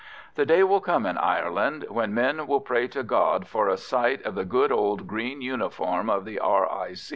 The day will come in Ireland when men will pray to God for a sight of the good old green uniform of the R.I.